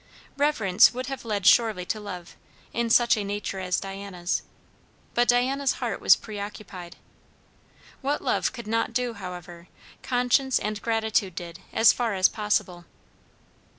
Reverence would have led surely to love, in such a nature as Diana's; but Diana's heart was preoccupied. What love could not do, however, conscience and gratitude did as far as possible.